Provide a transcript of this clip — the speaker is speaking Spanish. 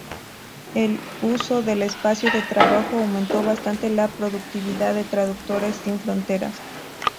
El uso del espacio de trabajo aumentó bastante la productividad de Traductores Sin Fronteras.